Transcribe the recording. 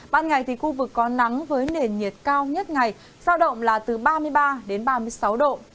ban ngày thì khu vực có nắng với nền nhiệt cao nhất ngày sao động là từ ba mươi ba đến ba mươi sáu độ